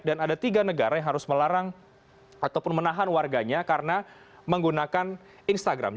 dan ada tiga negara yang harus melarang ataupun menahan warganya karena menggunakan instagram